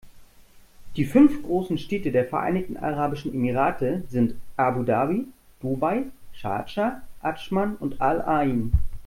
Die fünf großen Städte der Vereinigten Arabischen Emirate sind Abu Dhabi, Dubai, Schardscha, Adschman und Al-Ain.